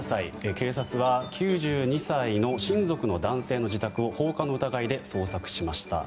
警察は９２歳の親族の男性の自宅を放火の疑いで捜索しました。